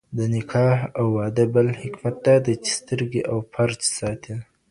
د نکاح او واده بل حکمت دادی، چي سترګي او فرج ساتي